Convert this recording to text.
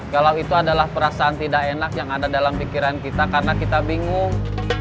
kalau itu adalah perasaan tidak enak yang ada dalam pikiran kita karena kita bingung